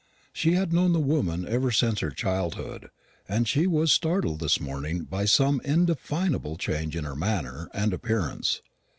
She had known the woman ever since her childhood, and she was startled this morning by some indefinable change in her manner and appearance.